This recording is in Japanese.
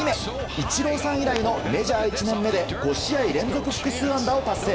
イチローさん以来のメジャー１年目で５試合連続複数安打を達成。